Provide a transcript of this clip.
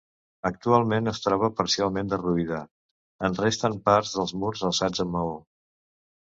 Actualment es troba parcialment derruïda, en resten part dels murs alçats amb maó.